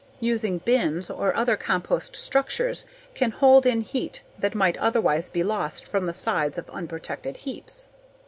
Using bins or other compost structures can hold in heat that might otherwise be lost from the sides of unprotected heaps.